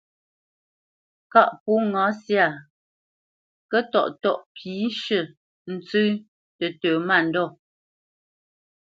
Kâʼ pó ŋǎ syâ, kə́tɔ́ʼtɔ́ʼ pî shʉ̂, ntsə́ tətə mândɔ̂,